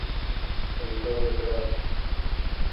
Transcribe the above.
همدغه ګرانه